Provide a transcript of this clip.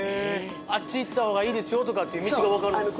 あっち行った方がいいですよとかっていう道が分かるんですか。